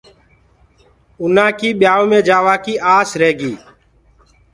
اُنآ ڪي ٻيآئوُ مي جآوآ ڪيٚ آس رهيگي۔